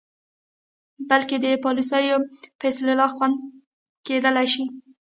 بلکې د پالسیو په اصلاح خوندې کیدلې شي.